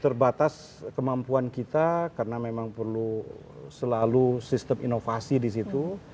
terbatas kemampuan kita karena memang perlu selalu sistem inovasi di situ